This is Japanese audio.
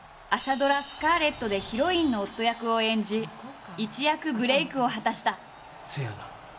ドラ「スカーレット」でヒロインの夫役を演じ一躍ブレークを果たした。